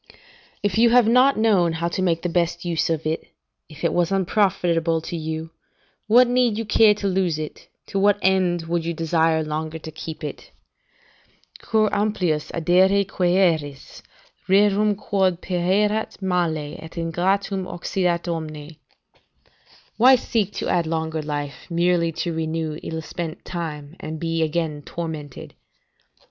] "If you have not known how to make the best use of it, if it was unprofitable to you, what need you care to lose it, to what end would you desire longer to keep it? "'Cur amplius addere quaeris, Rursum quod pereat male, et ingratum occidat omne?' ["Why seek to add longer life, merely to renew ill spent time, and be again tormented?"